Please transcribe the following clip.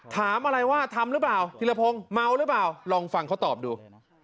ถามอะไรว่าทำหรือเปล่าธิรพงศ์เมาหรือเปล่าลองฟังเขาตอบดู